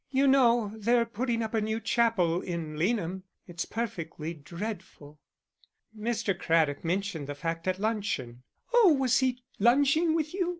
You know they're putting up a new chapel in Leanham; it's perfectly dreadful." "Mr. Craddock mentioned the fact at luncheon." "Oh, was he lunching with you?